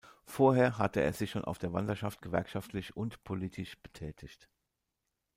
Vorher hatte er sich schon auf der Wanderschaft gewerkschaftlich und politisch betätigt.